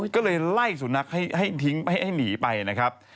ก็เลยไล่สุนัขให้หนีไปนะครับ